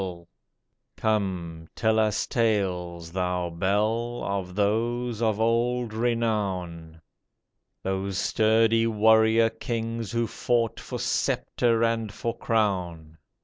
PAUL'S 6l Come, tell us tales, thou bell, Of those of old renown, Those sturdy warrior kings who fought For sceptre and for crown.